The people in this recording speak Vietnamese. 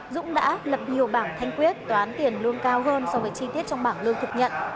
dũng đã lập nhiều bảng thanh quyết toán tiền lương cao hơn so với chi tiết trong bảng lương thực nhận